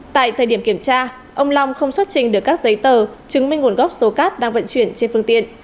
tại thời điểm kiểm tra ông long không xuất trình được các giấy tờ chứng minh nguồn gốc số cát đang vận chuyển trên phương tiện